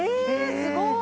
すごーい